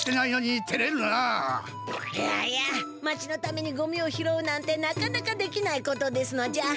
いやいや町のためにごみを拾うなんてなかなかできないことですのじゃ。